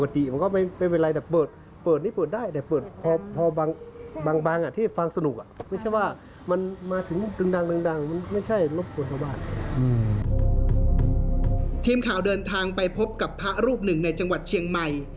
ทีมข่าวเดินทางไปพบกับพระรูปหนึ่งในจังหวัดเชียงใหม่